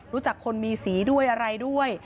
รู้จักคนมีสีด้วยอะไรด้วย